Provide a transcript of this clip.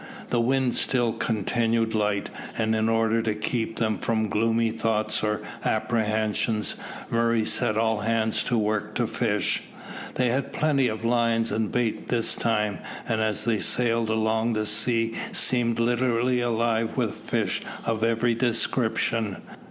The wind still continued light, and in order to keep them from gloomy thoughts or apprehensions, Murray set all hands to work to fish. They had plenty of lines and bait this time, and as they sailed along the sea seemed literally alive with fish of every description.